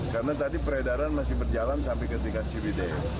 karena tadi peredaran masih berjalan sampai ketika cbd